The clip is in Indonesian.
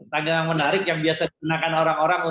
tanggal yang menarik yang biasa dibenarkan orang orang